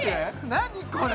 何これ！？